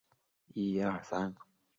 无法摆脱悲哀的命运